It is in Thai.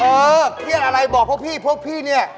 พี่เออเพียงอะไรบอกพวกพี่พวกพี่เนี่ย